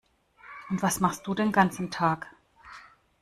Und was machst du den ganzen Tag?